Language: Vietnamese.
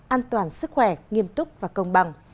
an toàn sức khỏe nghiêm túc và công bằng